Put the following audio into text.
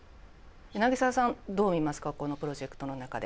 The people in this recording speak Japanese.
柳澤さんどう見ますかこのプロジェクトの中で。